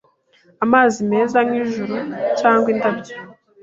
amazi meza nkijuru Cyangwa indabyo